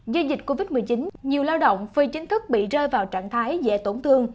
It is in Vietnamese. do dịch covid một mươi chín nhiều lao động phi chính thức bị rơi vào trạng thái dễ tổn thương